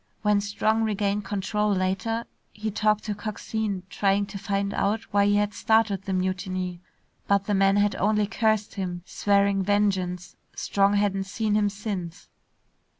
When Strong regained control later, he talked to Coxine, trying to find out why he had started the mutiny. But the man had only cursed him, swearing vengeance. Strong hadn't seen him since.